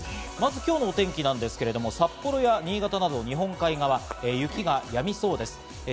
まず今日のお天気なんですけど、札幌や新潟など、日本海側は雪がやみそうです。